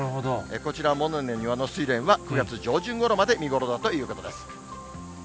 こちら、モネの庭のスイレンは、９月上旬ごろまで見頃だということです。